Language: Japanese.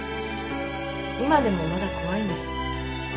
今でもまだ怖いんです。